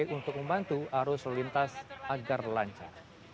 untuk membantu arus lintas agar lancar